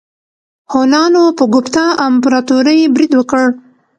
هونانو په ګوپتا امپراتورۍ برید وکړ.